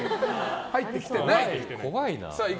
入ってきてない。